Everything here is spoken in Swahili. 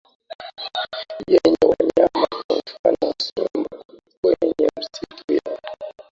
yenye wanyama kwa mfano simba kwenye misitu ya